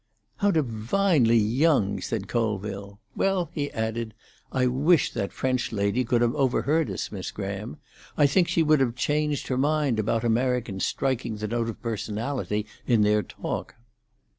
"How divinely young!" said Colville. "Well," he added, "I wish that French lady could have overheard us, Miss Graham. I think she would have changed her mind about Americans striking the note of personality in their talk."